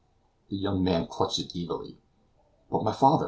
The young man clutched at it eagerly. "But my father?"